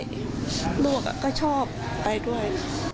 ลูกก็ชอบไปด้วย